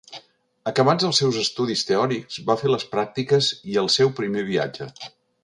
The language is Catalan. Acabats els seus estudis teòrics, va fer les pràctiques i el seu primer viatge.